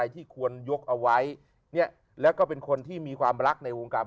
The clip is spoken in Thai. ที่ควรยกเอาไว้เนี่ยแล้วก็เป็นคนที่มีความรักในวงการ